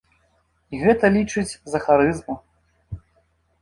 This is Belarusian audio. І гэта лічаць за харызму.